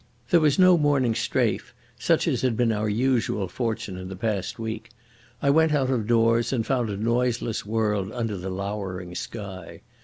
There was no morning strafe, such as had been our usual fortune in the past week. I went out of doors and found a noiseless world under the lowering sky.